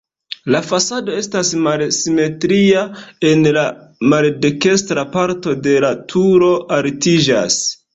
La fasado estas malsimetria, en la maldekstra parto la turo altiĝas.